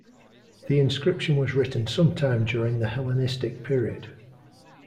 The inscription was written sometime during the Hellenistic period.